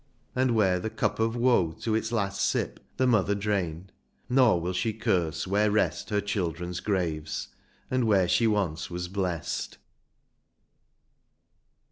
And where the cup of woe to its last sip The mother drained — nor will she curse where rest Her children's graves, and where she once was blest."